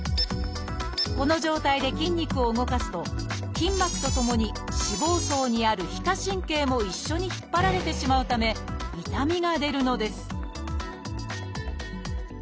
この状態で筋肉を動かすと筋膜とともに脂肪層にある皮下神経も一緒に引っ張られてしまうため痛みが出るのです